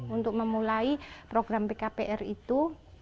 untuk memulai program pkpr itu